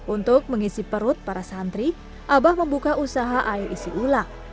untuk mengisi perut para santri abah membuka usaha air isi ulang